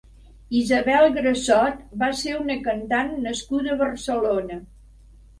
Isabel Grassot va ser una cantant nascuda a Barcelona.